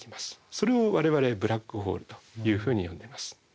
それを我々ブラックホールというふうに呼んでいます。